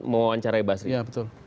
mewawancarai basri ya betul